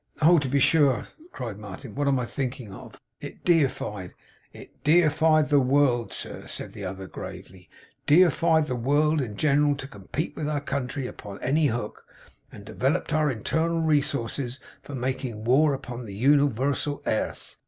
'Oh! to be sure,' cried Martin. 'What am I thinking of! It defied ' 'It defied the world, sir,' said the other, gravely. 'Defied the world in general to com pete with our country upon any hook; and devellop'd our internal resources for making war upon the universal airth.